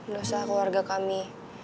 dosa keluarga kami